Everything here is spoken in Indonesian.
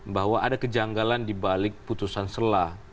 bahwa ada kejanggalan di balik putusan sela